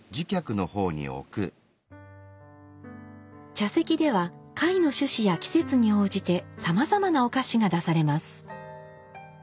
茶席では会の趣旨や季節に応じてさまざまなお菓子が出されます。